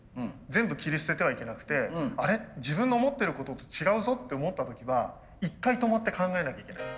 全部切り捨ててはいけなくて「あれ？自分の思ってることと違うぞ」って思った時は一回止まって考えなきゃいけない。